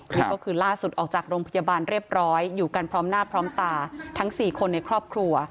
นี่ก็คือล่าสุดออกจากโรงพยาบาลเรียบร้อยอยู่กันพร้อมหน้าพร้อมตาทั้ง๔คนในครอบครัว